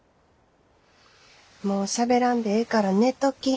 もうしゃべらんでええから寝とき。